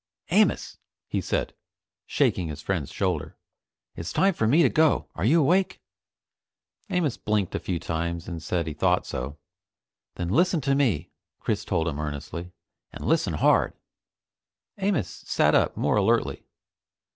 "Amos!" he said, shaking his friend's shoulder, "it's time for me to go. Are you awake?" Amos blinked a few times and said he thought so. "Then listen to me," Chris told him earnestly, "and listen hard!" Amos sat up more alertly.